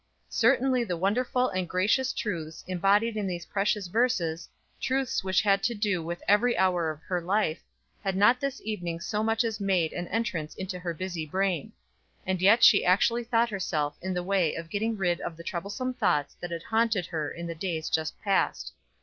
Certainly the wonderful and gracious truths embodied in these precious verses, truths which had to do with every hour of her life, had not this evening so much as made an entrance into her busy brain; and yet she actually thought herself in the way of getting rid of the troublesome thoughts that had haunted her the days just past.